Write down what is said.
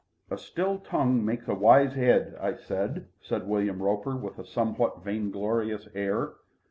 A still tongue makes a wise 'ead, I say," said William Roper, with a somewhat vainglorious air.